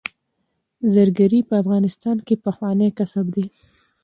زرګري په افغانستان کې پخوانی کسب دی